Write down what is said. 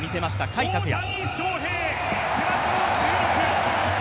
甲斐拓也。